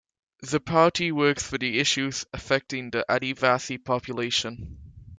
The party works for the issues affecting the adivasi population.